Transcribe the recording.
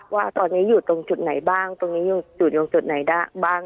ว่าตอนนี้อยู่ตรงจุดไหนบ้างตรงนี้อยู่ตรงจุดไหนบ้าง